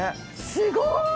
すごい。